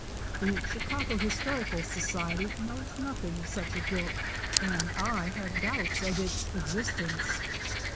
The Chicago Historical Society knows nothing of such a book and I have doubts of its existence.